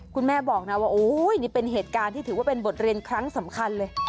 คุณแม่บอกนะว่าโอ้ยนี่เป็นเหตุการณ์ที่ถือว่าเป็นบทเรียนครั้งสำคัญเลย